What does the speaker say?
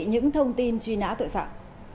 những thông tin truy nã tội phạm